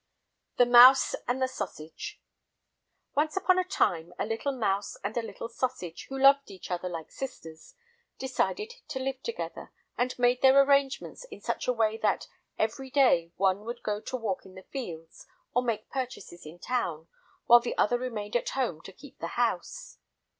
The Mouse and the Sausage Once upon a time a little mouse and a little sausage, who loved each other like sisters, decided to live together, and made their arrangements in such a way that every day one would go to walk in the fields, or make purchases in town, while the other remained at home to keep the house.